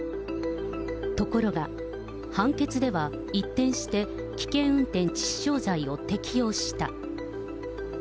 ところが、判決では一転して危険運転致死傷罪を適用した。